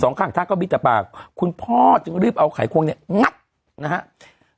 สองข้างท่าก็บิดแต่ปากคุณพ่อจึงรีบเอาไขควงเนี้ยงัดนะฮะ